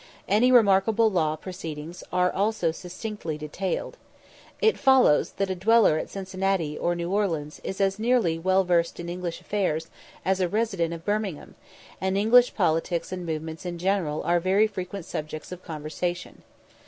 Any remarkable law proceedings are also succinctly detailed. It follows, that a dweller at Cincinnati or New Orleans is nearly as well versed in English affairs as a resident of Birmingham, and English politics and movements in general are very frequent subjects of conversation.